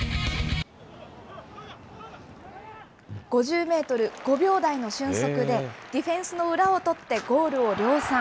５０メートル５秒台の俊足で、ディフェンスの裏をとってゴールを量産。